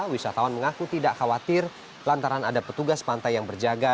wisatawan mengaku tidak khawatir lantaran ada petugas pantai yang berjaga